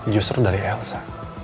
justru dari elsa